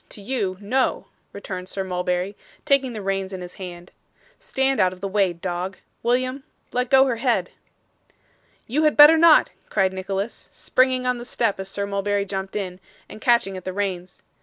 To you no,' returned Sir Mulberry, taking the reins in his hand. 'Stand out of the way, dog. William, let go her head.' 'You had better not,' cried Nicholas, springing on the step as Sir Mulberry jumped in, and catching at the reins.